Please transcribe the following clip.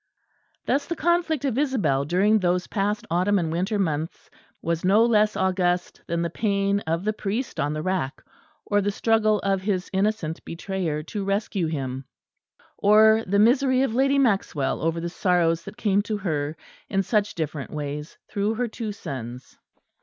Thus the conflict of Isabel during those past autumn and winter months was no less august than the pain of the priest on the rack, or the struggle of his innocent betrayer to rescue him, or the misery of Lady Maxwell over the sorrows that came to her in such different ways through her two sons.